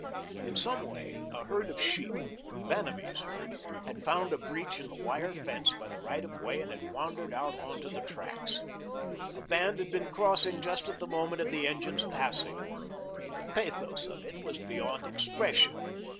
In some way, the herd of sheep Vanamee's herd had found a breach in the wire fence by the right of way and had wandered out upon the tracks. A band had been crossing just at the moment of the engine's passage. The pathos of it was beyond expression.